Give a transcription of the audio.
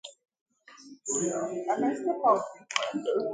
Ifite-Ọgwarị